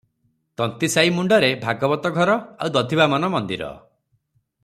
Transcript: ତନ୍ତୀସାଇ ମୁଣ୍ତରେ ଭାଗବତ ଘର ଆଉ ଦଧିବାମନ ମନ୍ଦିର ।